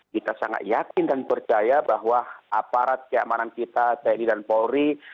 kita sangat yakin dan percaya bahwa aparat keamanan kita tni dan polri